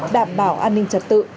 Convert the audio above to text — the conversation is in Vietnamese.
đảm bảo an ninh trật tự